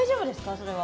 それは。